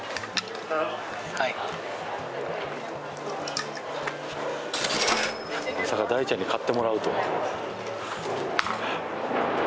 Ｈｅｌｌｏ．Ｈｉ．まさか大ちゃんに買ってもらうとは。